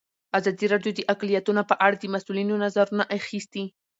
ازادي راډیو د اقلیتونه په اړه د مسؤلینو نظرونه اخیستي.